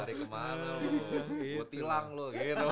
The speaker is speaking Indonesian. oh ada kemana lo